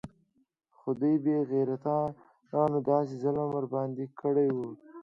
خو دې بې غيرتانو داسې ظلم ورباندې كړى و.